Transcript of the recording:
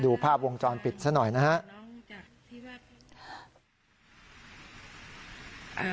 ดูภาพวงจรปิดซะหน่อยนะครับ